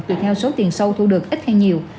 tùy theo số tiền sâu thu được ít hay nhiều